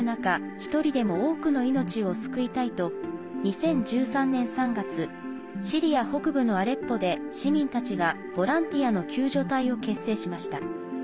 一人でも多くの命を救いたいと２０１３年３月シリア北部のアレッポで市民たちが、ボランティアの救助隊を結成しました。